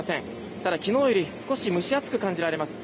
ただ、昨日より少し蒸し暑く感じられます。